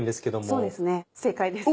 そうですね正解です。